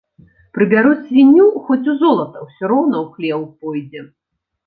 Прыбяры свінню хоць у золата ‒ усё роўна ў хлеў пойдзе